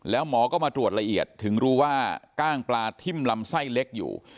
แล้วหมอก็มาตรวจละเอียดถึงรู้ว่ากล้างปลาทิ้มลำไส้เล็กอยู่